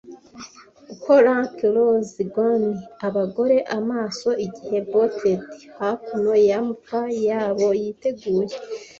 Uko lank loose- gowned abagore amaso igihe boated hakuno ya mva yabo yiteguye,